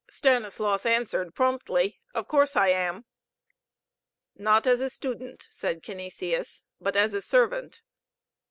Stanislaus answered promptly, "Of course I am." "Not as a student," said Canisius. "But as a servant?"